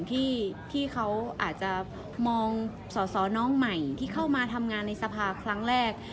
ที่มองสาวน้องใหม่ที่เข้ามาทำงานในสภาครั้งแรก